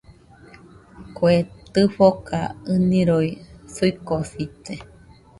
Kue tɨfoka ɨniroi suikosite